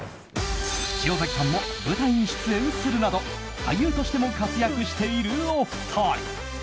塩崎さんも舞台に出演するなど俳優として活躍しているお二人。